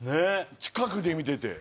近くで見てて。